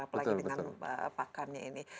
apalagi dengan pakannya ini